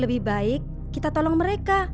lebih baik kita tolong mereka